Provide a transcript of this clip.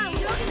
nah tarik terus